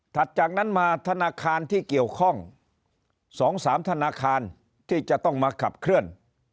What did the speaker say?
จากนั้นมาธนาคารที่เกี่ยวข้อง๒๓ธนาคารที่จะต้องมาขับเคลื่อน